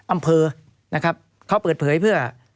อำเภอนะครับเขาเปิดเผยเพื่อ